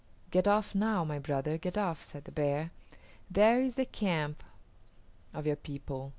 "Get off now, my brother, get off," said the bear. "There is the camp of your people.